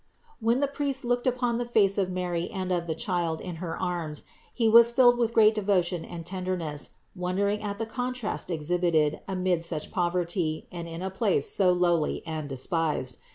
When the priest looked upon the face of Mary and of the Child in her arms he was filled with great devotion and tenderness, wondering at the contrast exhibited amid such poverty and in a place so lowly and despised.